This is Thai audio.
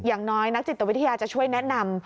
อย่างน้อยนักจิตวิทยาจะช่วยแนะนำ